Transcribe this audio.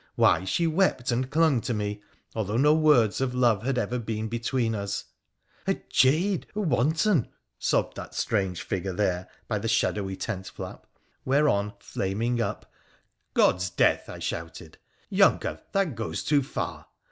Why, she wept and clung to me, although no words of love had ever been between us '' A jade, a wanton !' sobbed that strange figure there by the shadowy tent flap, whereon, flaming up, ' God's death !' I shouted, ' younker, that goes too far!